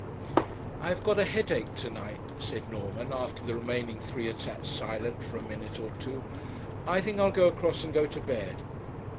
'I have got a headache to night,' said Norman, after the remaining three had sat silent for a minute or two; 'I think I'll go across and go to bed.'